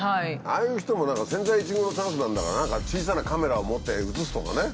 ああいう人も何か千載一遇のチャンスなんだから何か小さなカメラを持って写すとかね。